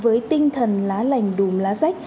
với tinh thần lá lành đùm lá rách